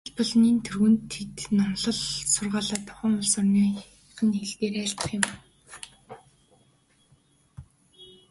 Тухайлбал, нэн тэргүүнд тэд номлол сургаалаа тухайн улс орных нь хэл дээр айлдах юм.